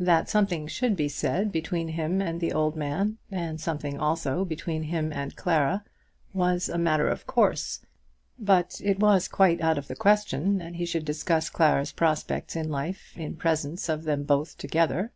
That something should be said between him and the old man, and something also between him and Clara, was a matter of course; but it was quite out of the question that he should discuss Clara's prospects in life in presence of them both together.